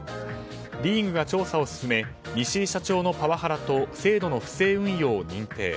リーグが調査を進め西井社長のパワハラと制度の不正運用を認定。